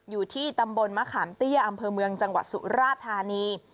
อยู่ที่ตำบลมะขามเตี้ยอำเภอเมืองจังหวัดสุราธานี